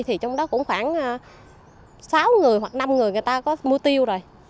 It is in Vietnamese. thì trong đó cũng khoảng sáu người hoặc năm người người ta có mua tiêu rồi